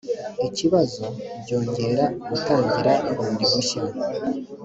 ikibazo byongera gutangira bundi bushya